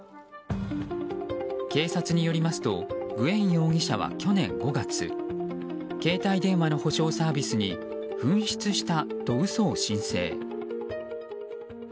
警察によりますとグエン容疑者は去年５月携帯電話の補償サービスに紛失したと嘘を申請。